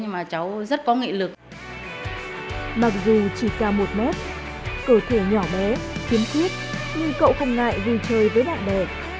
mặc dù chỉ cao một mét cơ thể nhỏ bé kiếm quyết nhưng cậu không ngại vui chơi với bạn bè